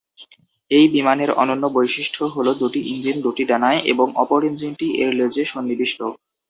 এই বিমানের অনন্য বৈশিষ্ট হল দুটি ইঞ্জিন দুই ডানায় এবং অপর ইঞ্জিনটি এর লেজে সন্নিবিষ্ট।